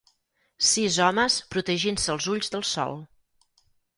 Sis homes protegint-se els ulls del sol